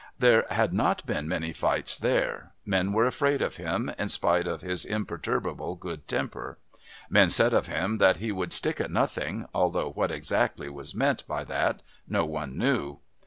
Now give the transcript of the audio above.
There had not been many fights there. Men were afraid of him, in spite of his imperturbable good temper. Men said of him that he would stick at nothing, although what exactly was meant by that no one knew.